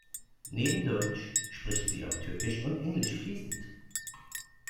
Neben Deutsch spricht sie auch Türkisch und Englisch fließend.